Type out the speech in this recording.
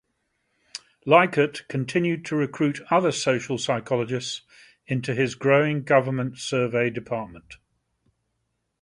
Likert continued to recruit other social psychologists into his growing government survey department.